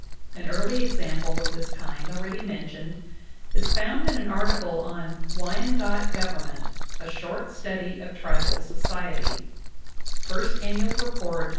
An early example of this kind, already mentioned, is found in an article on "Wyandot government : a short study of tribal society" (First Ann. Rept.